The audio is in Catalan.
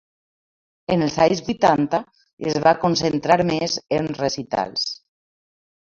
En els anys vuitanta, es va concentrar més en recitals.